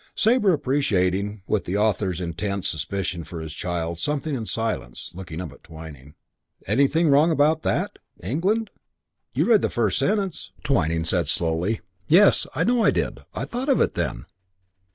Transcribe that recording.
Sabre, appreciating, with the author's intense suspicion for his child, something in the silence, looked up at Twyning. "Anything wrong about that? 'England.' You read the first sentence?" Twyning said slowly, "Yes, I know I did. I thought of it then."